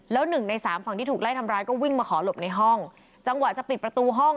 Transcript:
แล้วหนึ่งในสามฝั่งที่ถูกไล่ทำร้ายก็วิ่งมาขอหลบในห้องจังหวะจะปิดประตูห้อง